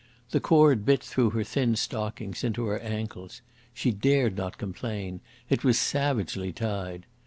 The cord bit through her thin stockings into her ankles. She dared not complain. It was savagely tied.